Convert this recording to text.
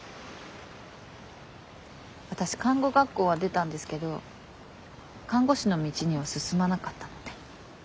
私看護学校は出たんですけど看護師の道には進まなかったので。